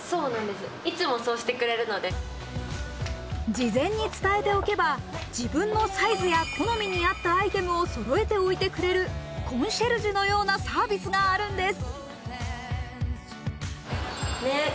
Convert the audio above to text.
事前に伝えておけば自分のサイズや好みに合ったアイテムをそろえておいてくれるコンシェルジュのようなサービスがあるんです。